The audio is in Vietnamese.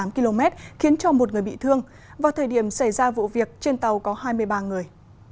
một mươi km khiến cho một người bị thương vào thời điểm xảy ra vụ việc trên tàu có hai mươi ba người